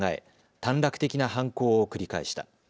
短絡的な犯行を繰り返した。